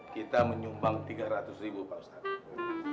kita menyumbang tiga ratus ribu pak ustadz